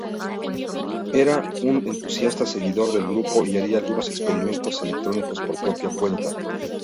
Era un entusiasta seguidor del grupo y haría algunos experimentos electrónicos por propia cuenta.